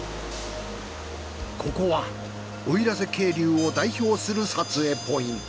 ここは奥入瀬渓流を代表する撮影ポイント。